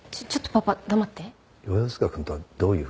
パパ黙って。